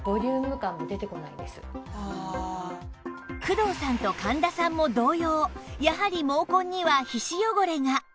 工藤さんと神田さんも同様やはり毛根には皮脂汚れが